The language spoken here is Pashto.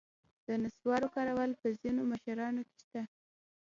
د نصوارو کارول په ځینو مشرانو کې شته.